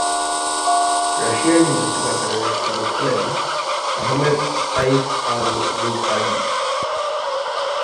রাশিয়ায় নিযুক্ত কাতারের রাষ্ট্রদূত হলেন, আহমেদ সাইফ আল-মিদহাদী।